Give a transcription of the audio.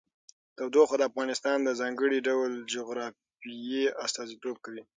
تودوخه د افغانستان د ځانګړي ډول جغرافیه استازیتوب کوي.